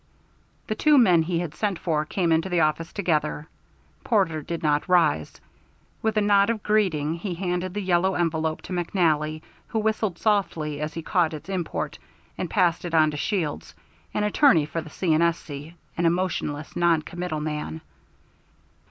The two men he had sent for came into the office together. Porter did not rise. With a nod of greeting he handed the yellow envelope to McNally, who whistled softly as he caught its import, and passed it on to Shields, an attorney for the C. & S.C., an emotionless, noncommittal man.